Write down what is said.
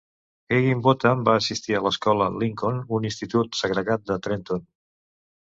Higginbotham va assistir a l'Escola Lincoln, un institut segregat de Trenton.